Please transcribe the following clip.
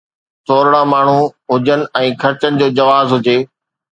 ٿورڙا ماڻهو هجن ۽ خرچن جو جواز هجي.